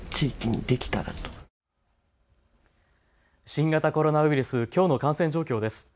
新型コロナウイルスきょうの感染状況です。